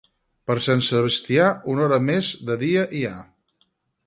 Per Sant Sebastià, una hora més de dia hi ha.